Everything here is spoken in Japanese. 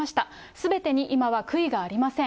すべてに今は悔いがありません。